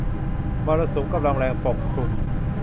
มรสุมกำลังแรงปกคลุม